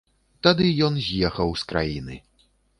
Тады ён з'ехаў з краіны.